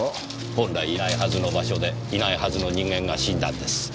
本来いないはずの場所でいないはずの人間が死んだんです。